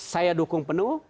saya dukung penuh